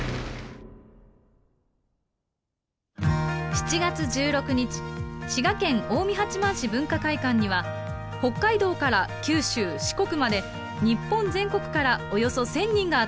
７月１６日滋賀県近江八幡市文化会館には北海道から九州四国まで日本全国からおよそ１，０００人が集まりました。